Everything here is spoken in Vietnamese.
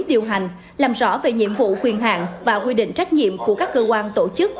điều hành làm rõ về nhiệm vụ quyền hạn và quy định trách nhiệm của các cơ quan tổ chức